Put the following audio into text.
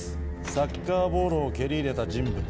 サッカーボールを蹴り入れた人物は。